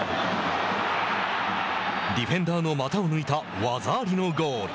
ディフェンダーの股を抜いた技ありのゴール。